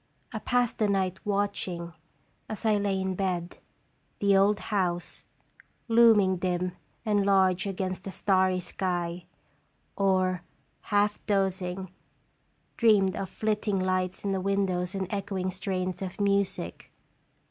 I passed the night watching, as I lay in bed, the old house looming dim and large against the starry sky, or, half dozing, dreamed of flitting lights in the windows and echoing strains of music.